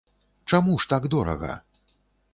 Чаму ж так дорага?